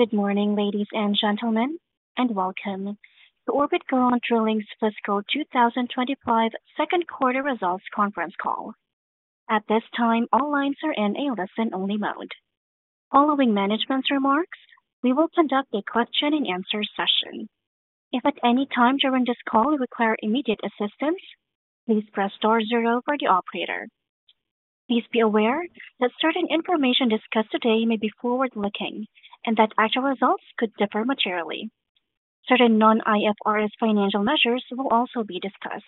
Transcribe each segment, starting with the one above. Good morning, ladies and gentlemen, and welcome to Orbit Garant Drilling's fiscal 2025 second quarter results conference call. At this time, all lines are in a listen-only mode. Following management's remarks, we will conduct a question-and-answer session. If at any time during this call you require immediate assistance, please press star zero for the operator. Please be aware that certain information discussed today may be forward-looking and that actual results could differ materially. Certain non-IFRS financial measures will also be discussed.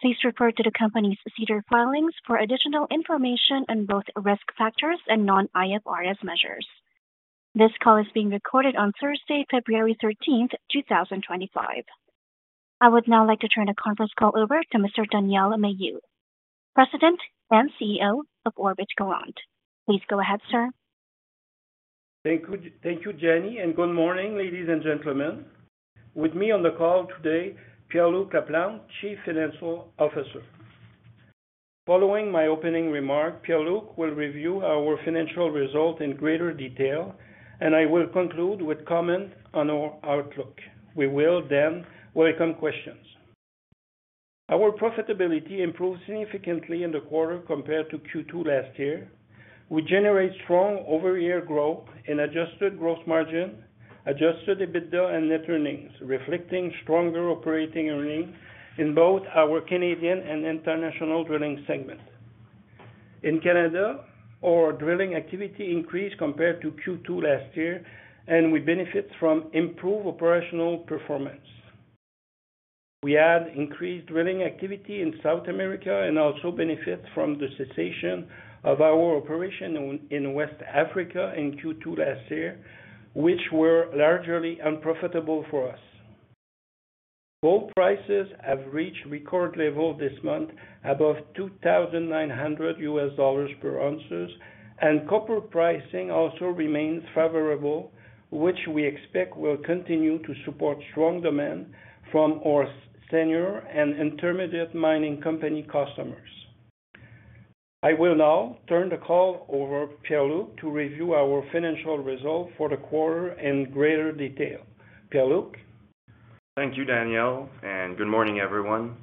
Please refer to the company's SEDAR filings for additional information on both risk factors and non-IFRS measures. This call is being recorded on Thursday, February 13th, 2025. I would now like to turn the conference call over to Mr. Daniel Maheu, President and CEO of Orbit Garant. Please go ahead, sir. Thank you, Jenny, and good morning, ladies and gentlemen. With me on the call today, Pier-Luc Laplante, Chief Financial Officer. Following my opening remark, Pier-Luc will review our financial result in greater detail, and I will conclude with comments on our outlook. We will then welcome questions. Our profitability improved significantly in the quarter compared to Q2 last year. We generate strong over-year growth in adjusted gross margin, adjusted EBITDA, and net earnings, reflecting stronger operating earnings in both our Canadian and international drilling segment. In Canada, our drilling activity increased compared to Q2 last year, and we benefit from improved operational performance. We had increased drilling activity in South America and also benefit from the cessation of our operation in West Africa in Q2 last year, which were largely unprofitable for us. Gold prices have reached record levels this month, above $2,900 per ounce, and copper pricing also remains favorable, which we expect will continue to support strong demand from our senior and intermediate mining company customers. I will now turn the call over to Pier-Luc to review our financial result for the quarter in greater detail. Pier-Luc? Thank you, Daniel, and good morning, everyone.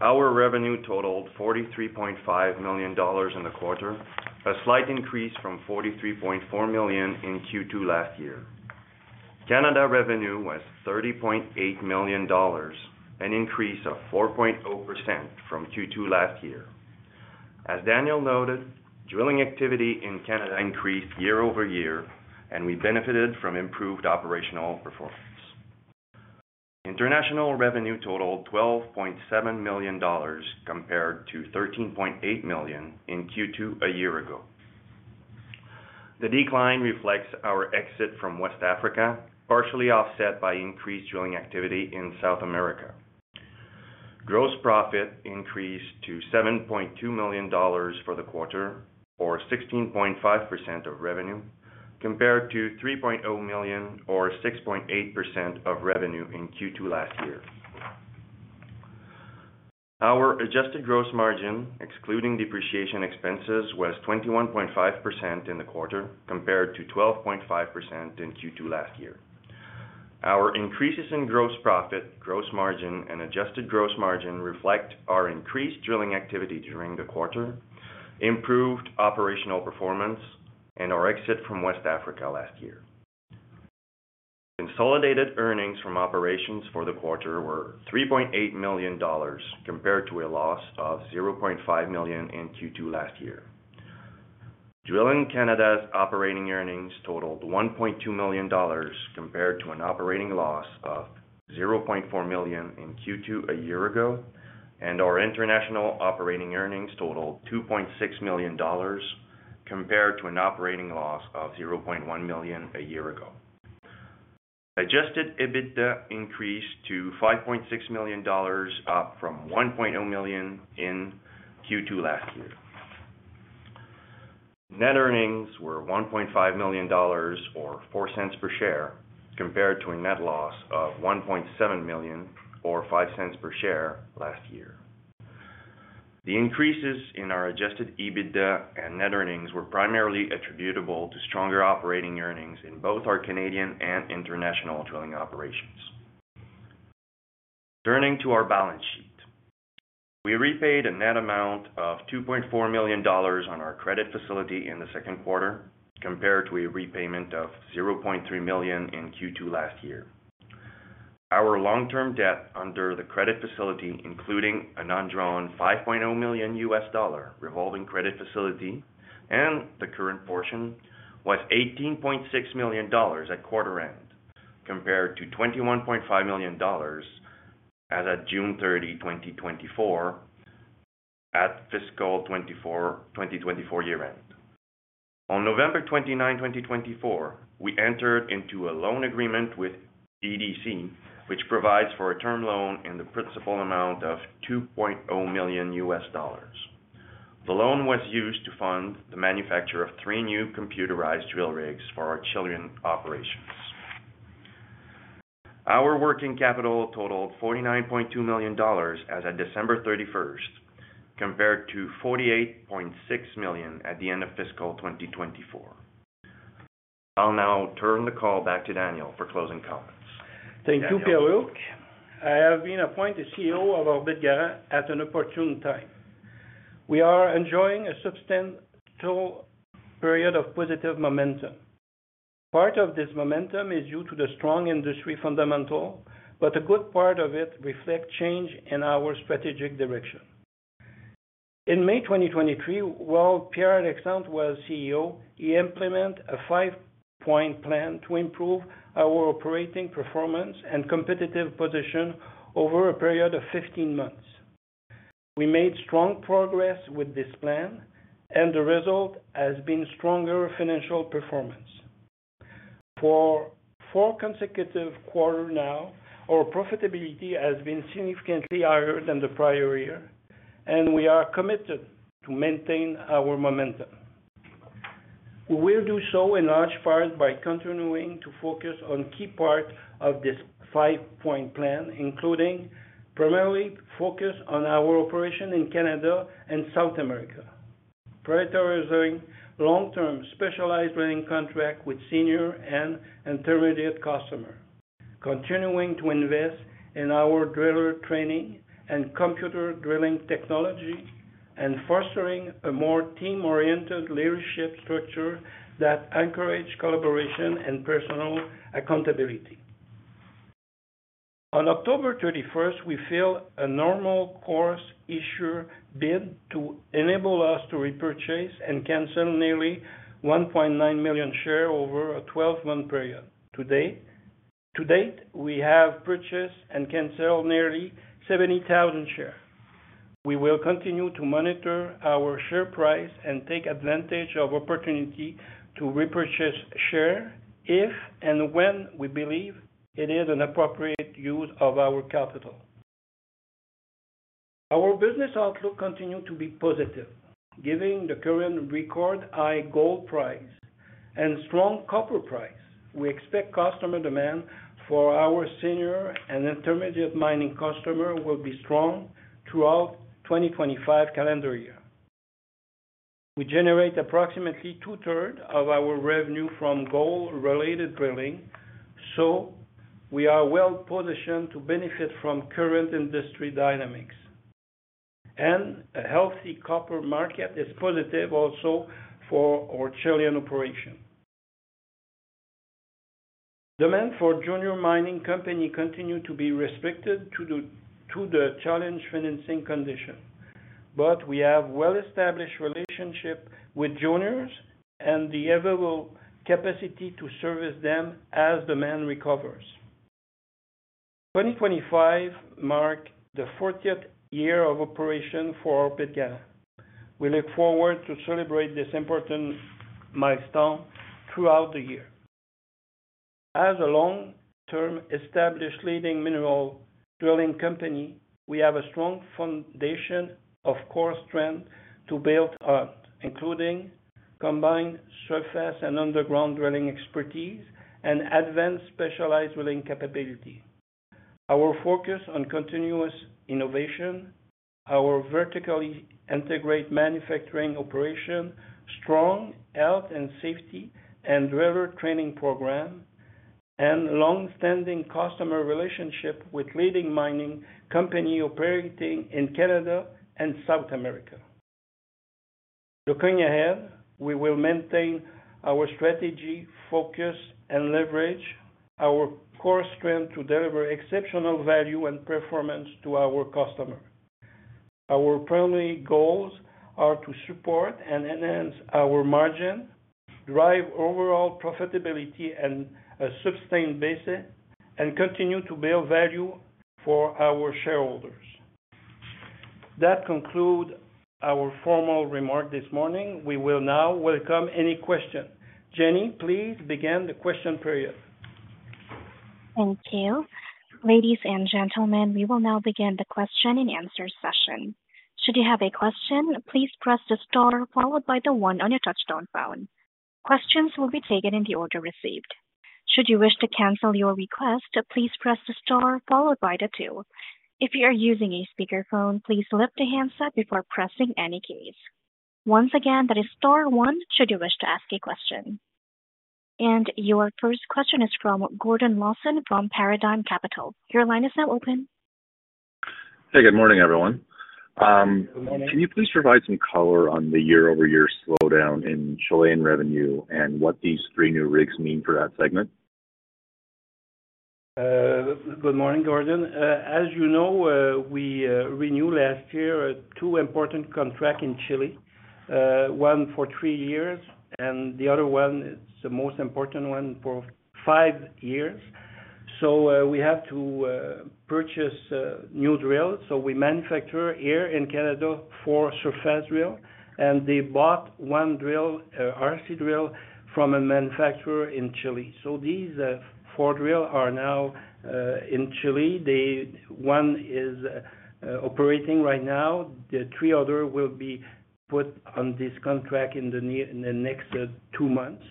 Our revenue totaled $43.5 million in the quarter, a slight increase from 43.4 million in Q2 last year. Canada revenue was $30.8 million, an increase of 4.0% from Q2 last year. As Daniel noted, drilling activity in Canada increased year over year, and we benefited from improved operational performance. International revenue totaled $12.7 million compared to $13.8 million in Q2 a year ago. The decline reflects our exit from West Africa, partially offset by increased drilling activity in South America. Gross profit increased to $7.2 million for the quarter, or 16.5% of revenue, compared to $3.0 million or 6.8% of revenue in Q2 last year. Our adjusted gross margin, excluding depreciation expenses, was 21.5% in the quarter compared to 12.5% in Q2 last year. Our increases in gross profit, gross margin, and adjusted gross margin reflect our increased drilling activity during the quarter, improved operational performance, and our exit from West Africa last year. Consolidated earnings from operations for the quarter were $3.8 million compared to a loss of $0.5 million in Q2 last year. Drilling Canada's operating earnings totaled $1.2 million compared to an operating loss of $0.4 million in Q2 a year ago, and our international operating earnings totaled $2.6 million compared to an operating loss of $0.1 million a year ago. Adjusted EBITDA increased to $5.6 million, up from $1.0 million in Q2 last year. Net earnings were $1.5 million, or $ 0.04 per share, compared to a net loss of $1.7 million, or $0.05 per share, last year. The increases in our adjusted EBITDA and net earnings were primarily attributable to stronger operating earnings in both our Canadian and international drilling operations. Turning to our balance sheet, we repaid a net amount of $2.4 million on our credit facility in the second quarter compared to a repayment of $0.3 million in Q2 last year. Our long-term debt under the credit facility, including a non-drawn $5.0 million US dollar revolving credit facility and the current portion, was $18.6 million at quarter end, compared to $21.5 million as of June 30, 2024, at fiscal 2024 year-end. On November 29, 2024, we entered into a loan agreement with EDC, which provides for a term loan in the principal amount of 2.0 million US dollars. The loan was used to fund the manufacture of three new computerized drill rigs for our Chilean operations. Our working capital totaled $49.2 million as of December 31, compared to $48.6 million at the end of fiscal 2024. I'll now turn the call back to Daniel for closing comments. Thank you, Pier-Luc. I have been appointed CEO of Orbit Garant at an opportune time. We are enjoying a substantial period of positive momentum. Part of this momentum is due to the strong industry fundamentals, but a good part of it reflects change in our strategic direction. In May 2023, while Pier Alexandre was CEO, he implemented a five-point plan to improve our operating performance and competitive position over a period of 15 months. We made strong progress with this plan, and the result has been stronger financial performance. For four consecutive quarters now, our profitability has been significantly higher than the prior year, and we are committed to maintain our momentum. We will do so in large part by continuing to focus on key parts of this five-point plan, including primarily focus on our operation in Canada and South America, prioritizing long-term specialized drilling contract with senior and intermediate customers, continuing to invest in our driller training and computer drilling technology, and fostering a more team-oriented leadership structure that encourages collaboration and personal accountability. On October 31, we filed a normal course issuer bid to enable us to repurchase and cancel nearly $1.9 million in shares over a 12-month period. To date, we have purchased and canceled nearly $70,000 in shares. We will continue to monitor our share price and take advantage of opportunity to repurchase shares if and when we believe it is an appropriate use of our capital. Our business outlook continues to be positive. Given the current record high gold price and strong copper price, we expect customer demand for our senior and intermediate mining customers will be strong throughout the 2025 calendar year. We generate approximately two-thirds of our revenue from gold-related drilling, so we are well-positioned to benefit from current industry dynamics, and a healthy copper market is positive also for our Chilean operation. Demand for junior mining companies continues to be restricted due to the challenging financing conditions, but we have a well-established relationship with juniors and the available capacity to service them as demand recovers. 2025 marks the 40th year of operation for Orbit Garant. We look forward to celebrating this important milestone throughout the year. As a long-term established leading mineral drilling company, we have a strong foundation of core strength to build on, including combined surface and underground drilling expertise and advanced specialized drilling capability. Our focus on continuous innovation, our vertically integrated manufacturing operation, strong health and safety and driller training program, and long-standing customer relationship with leading mining companies operating in Canada and South America. Looking ahead, we will maintain our strategy, focus, and leverage our core strength to deliver exceptional value and performance to our customers. Our primary goals are to support and enhance our margin, drive overall profitability on a sustained basis, and continue to build value for our shareholders. That concludes our formal remarks this morning. We will now welcome any questions. Jenny, please begin the question period. Thank you. Ladies and gentlemen, we will now begin the question-and-answer session. Should you have a question, please press the star followed by the one on your touchtone phone. Questions will be taken in the order received. Should you wish to cancel your request, please press the star followed by the two. If you are using a speakerphone, please lift the handset before pressing any keys. Once again, that is star one should you wish to ask a question. Your first question is from Gordon Lawson from Paradigm Capital. Your line is now open. Hey, good morning, everyone. Good morning. Can you please provide some color on the year-over-year slowdown in Chilean revenue and what these three new rigs mean for that segment? Good morning, Gordon. As you know, we renewed last year two important contracts in Chile, one for three years, and the other one is the most important one for five years. We had to purchase new drills. We manufacture here in Canada four surface drills, and they bought one drill, an RC drill, from a manufacturer in Chile. These four drills are now in Chile. One is operating right now. The three others will be put on this contract in the next two months.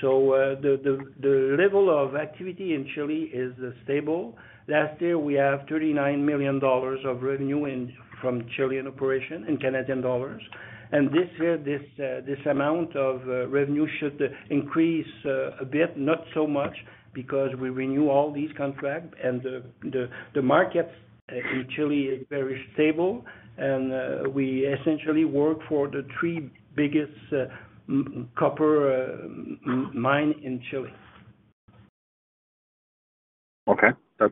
The level of activity in Chile is stable. Last year, we had $39 million of revenue from Chilean operations. This year, this amount of revenue should increase a bit, not so much, because we renewed all these contracts, and the market in Chile is very stable, and we essentially work for the three biggest copper mines in Chile. Okay. That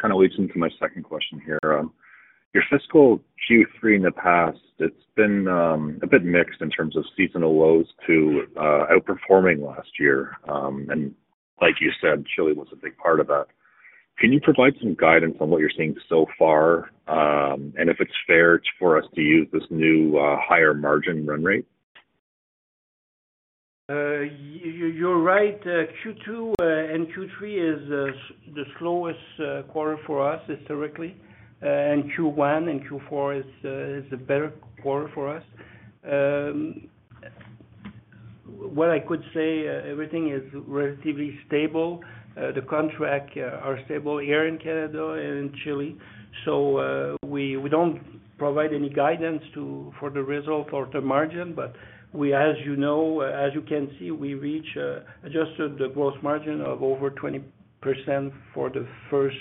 kind of leads into my second question here. Your fiscal Q3 in the past, it's been a bit mixed in terms of seasonal lows to outperforming last year. Like you said, Chile was a big part of that. Can you provide some guidance on what you're seeing so far, and if it's fair for us to use this new higher margin run rate? You're right. Q2 and Q3 is the slowest quarter for us historically, and Q1 and Q4 is a better quarter for us. What I could say, everything is relatively stable. The contracts are stable here in Canada and in Chile. We don't provide any guidance for the results or the margin, but we, as you know, as you can see, we reached adjusted gross margin of over 20% for the first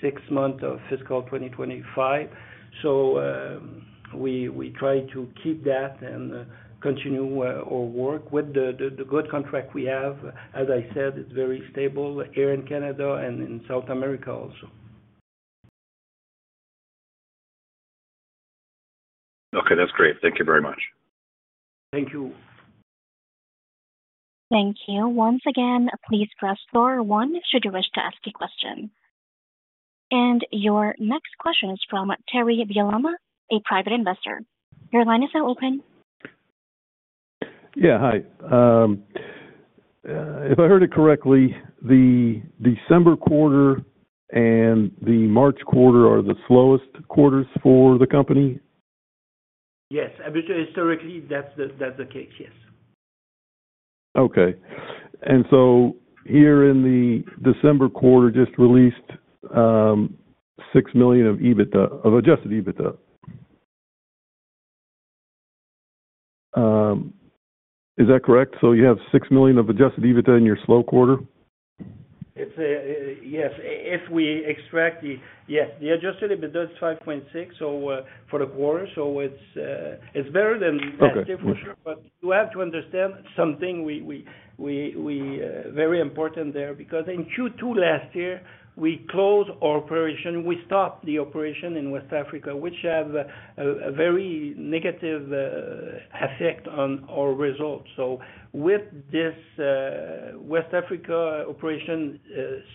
six months of fiscal 2025. We try to keep that and continue our work with the good contract we have. As I said, it's very stable here in Canada and in South America also. Okay. That's great. Thank you very much. Thank you. Thank you. Once again, please press star one should you wish to ask a question. Your next question is from Terry Villama, a private investor. Your line is now open. Yeah. Hi. If I heard it correctly, the December quarter and the March quarter are the slowest quarters for the company? Yes. Historically, that's the case. Yes. Okay. Here in the December quarter, just released $6 million of adjusted EBITDA. Is that correct? You have $6 million of adjusted EBITDA in your slow quarter? Yes. If we extract the yes. The adjusted EBITDA is $5.6 million for the quarter, so it's better than that for sure. You have to understand something very important there because in Q2 last year, we closed our operation. We stopped the operation in West Africa, which had a very negative effect on our results. With this West Africa operation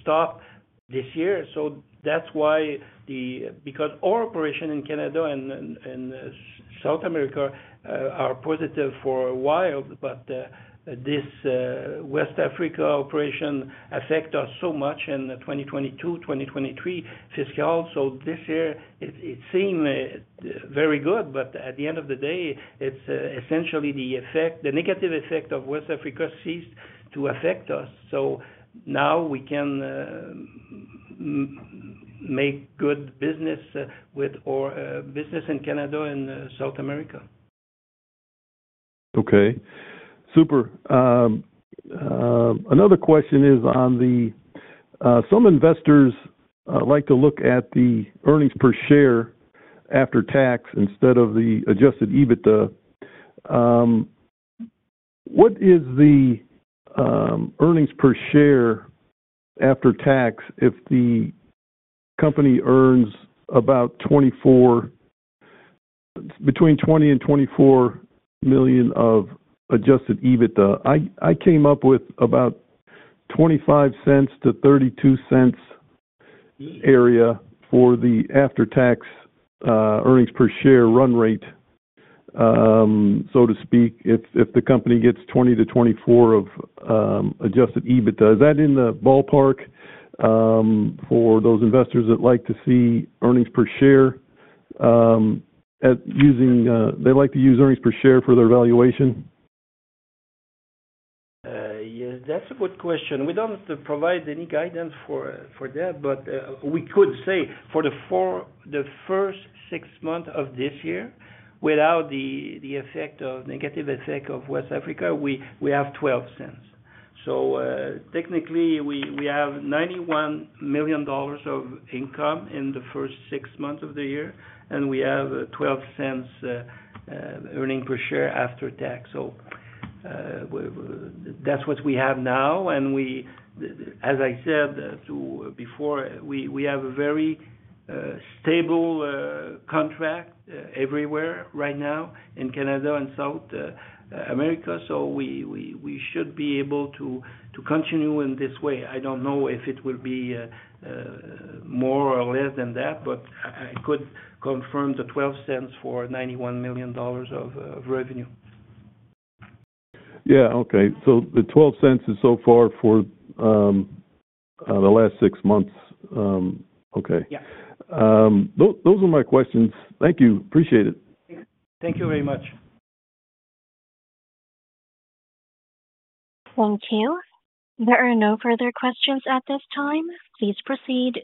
stopped this year, that's why, because our operation in Canada and South America are positive for a while, but this West Africa operation affected us so much in 2022, 2023 fiscal. This year, it seemed very good, but at the end of the day, it's essentially the effect, the negative effect of West Africa ceased to affect us. Now we can make good business with our business in Canada and South America. Okay. Super. Another question is on the some investors like to look at the earnings per share after tax instead of the adjusted EBITDA. What is the earnings per share after tax if the company earns about between $20 million and $24 million of adjusted EBITDA? I came up with about $0.25 to $0.32 area for the after-tax earnings per share run rate, so to speak, if the company gets $20 million to $24 million of adjusted EBITDA. Is that in the ballpark for those investors that like to see earnings per share using they like to use earnings per share for their valuation? Yes. That's a good question. We don't provide any guidance for that, but we could say for the first six months of this year, without the negative effect of West Africa, we have $0.12. Technically, we have $91 million of income in the first six months of the year, and we have $0.12 earnings per share after tax. That's what we have now. As I said before, we have a very stable contract everywhere right now in Canada and South America. We should be able to continue in this way. I don't know if it will be more or less than that, but I could confirm the $0.12 for $91 million of revenue. Yeah. Okay. The $0.12 cents is so far for the last six months. Okay. Yeah. Those are my questions. Thank you. Appreciate it. Thank you very much. Thank you. There are no further questions at this time. Please proceed.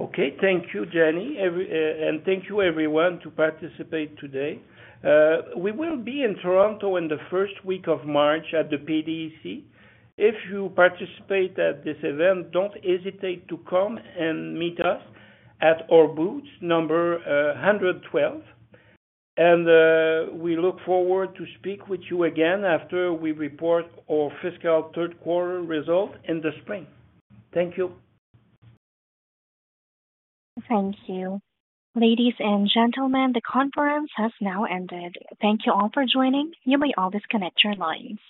Okay. Thank you, Jenny. Thank you, everyone, to participate today. We will be in Toronto in the first week of March at the PDAC. If you participate at this event, do not hesitate to come and meet us at our booth number 112. We look forward to speaking with you again after we report our fiscal third-quarter result in the spring. Thank you. Thank you. Ladies and gentlemen, the conference has now ended. Thank you all for joining. You may all disconnect your lines.